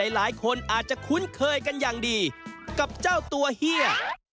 หลายคนอาจจะคุ้นเคยกันอย่างดีกับเจ้าตัวเฮีย